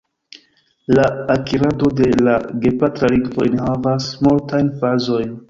La akirado de la gepatra lingvo enhavas multajn fazojn.